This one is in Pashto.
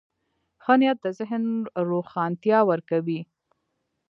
ښه نیت د ذهن روښانتیا ورکوي.